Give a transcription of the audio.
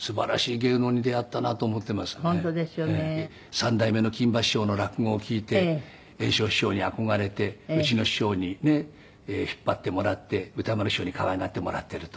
「三代目の金馬師匠の落語を聴いて圓生師匠に憧れてうちの師匠にねっ引っ張ってもらって歌丸師匠に可愛がってもらっていると」